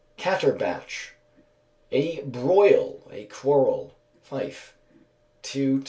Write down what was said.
Catterbatch. A broil, a quarrel (Fife). Teut.